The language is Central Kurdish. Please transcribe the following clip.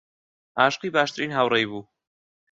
عاشقی باشترین هاوڕێی بوو.